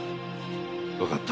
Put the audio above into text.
わかった。